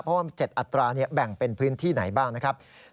เพราะว่า๗อัตราแบ่งเป็นพื้นที่ไหนบ้างนะครับ